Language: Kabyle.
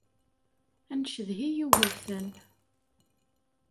Ad ncedhi Yugurten.